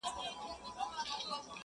o ياره وس دي نه رسي ښكلي خو ســرزوري دي،